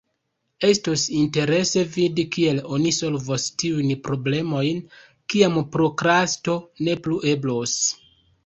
Estos interese vidi kiel oni solvos tiujn problemojn, kiam prokrasto ne plu eblos.